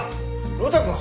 呂太くん